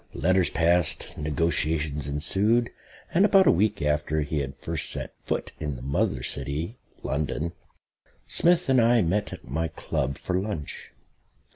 Letters passed; negotiations ensued; and about a week after he had first set foot in the Mother City (London) Smith and I met at my Club for lunch.